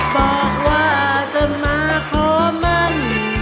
บอกว่าจนมาขอมั่น